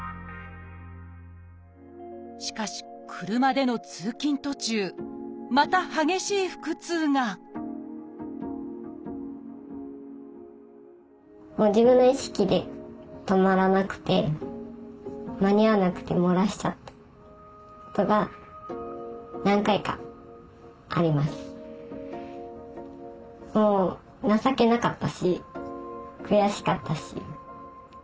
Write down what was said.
しかし車での通勤途中またもう自分の意識で情けなかったし悔しかったし。